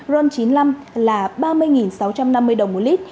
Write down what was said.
ron chín mươi năm là ba mươi sáu trăm linh đồng một lít